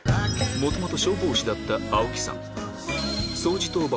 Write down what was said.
元々消防士だった青木さん